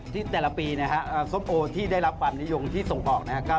แต่ละปีนะฮะส้มโอที่ได้รับความนิยมที่ส่งออกนะครับ